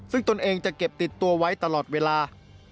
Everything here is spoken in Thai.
ซึ่งตนเองจะเก็บติดตัวไว้ตลอดเวลา